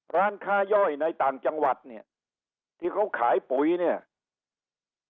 ร้านค้าย่อยในต่างจังหวัดเนี่ยที่เขาขายปุ๋ยเนี่ย